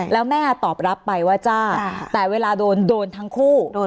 แล้วแม่ตอบรับไปว่าจ้าแต่เวลาโดนโดนทั้งคู่